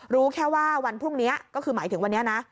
รู้แค่ว่าวันพรุ่งนี้ก็คือหมายถึงวันนี้นะ